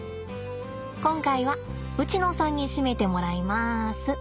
今回はウチノさんにしめてもらいます。